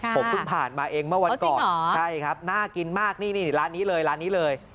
ผมพึ่งผ่านมาเองเมื่อวันก่อนใช่ครับน่ากินมากนี่ร้านนี้เลย